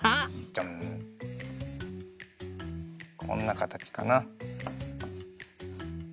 ジャンこんなかたちかな。